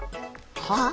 はあ？